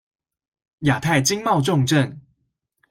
亞太經貿重鎮